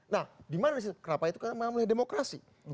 nah dimana disitu kenapa itu karena namanya demokrasi